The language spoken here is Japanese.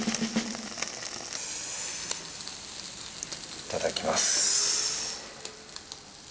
いただきます。